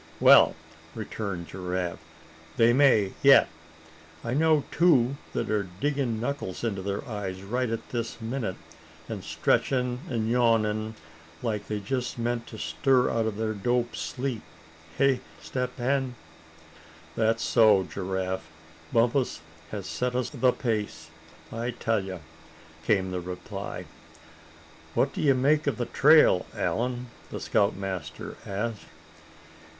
"Well," returned Giraffe, "they may, yet. I know two that are digging knuckles into their eyes right at this minute, and stretchin' and yawnin' like they just meant to stir out of their dope sleep; eh, Step Hen?" "That's so, Giraffe! Bumpus has set us the pace, I tell you," came the reply. "What do you make of the trail, Allan?" the scoutmaster asked.